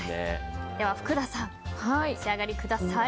福田さんお召し上がりください。